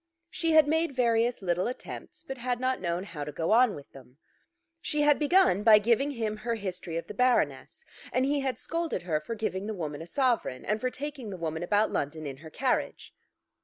She had made various little attempts but had not known how to go on with them. She had begun by giving him her history of the Baroness, and he had scolded her for giving the woman a sovereign and for taking the woman about London in her carriage.